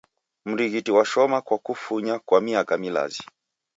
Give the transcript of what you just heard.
Mrighiti washoma kwa kukufunya kwa miaka milazi.